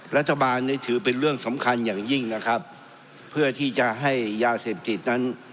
รัฐบาลนี่ถือเป็นเรื่องสำคัญอย่างยิ่งนะครับเพื่อที่จะให้ยาเสพติดนั้น